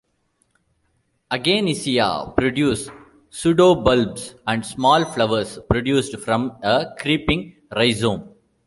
Aganisia produce pseudobulbs and small flowers produced from a creeping rhizome.